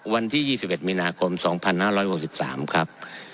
วันที่๒๑มีนาคม๒๕๖๓ครับ